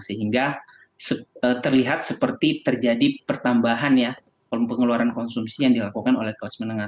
sehingga terlihat seperti terjadi pertambahan ya pengeluaran konsumsi yang dilakukan oleh kelas menengah